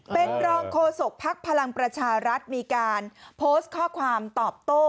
เป็นรองโฆษกภักดิ์พลังประชารัฐมีการโพสต์ข้อความตอบโต้